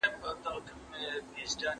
ستا خو د خپل ښایست قلنګ پکار و